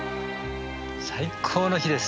最高の日です！